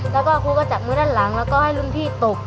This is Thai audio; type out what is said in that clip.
แล้วก็ครูก็จับมือด้านหลังแล้วก็ให้รุ่นพี่ตบ